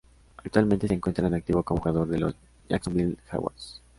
Actualmente se encuentra en activo como jugador de los Jacksonville Jaguars.